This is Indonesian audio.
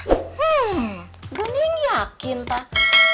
hmm bening yakin teh